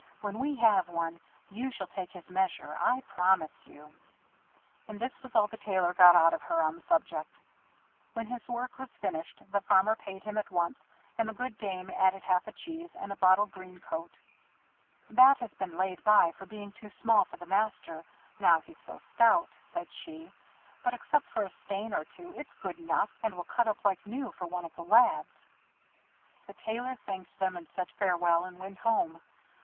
when we have one, you shall take his measure, I promise you." And this was all the Tailor got out of her on the subject. When his work was finished, the Farmer paid him at once; and the good dame added half a cheese, and a bottle green coat. "That has been laid by for being too small for the master now he's so stout," she said; "but except for a stain or two it's good enough, and will cut up like new for one of the lads." The Tailor thanked them, and said farewell, and went home.